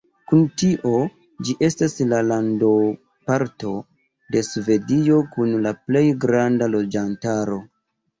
Kun tio, ĝi estas la landoparto de Svedio kun la plej granda loĝantaro.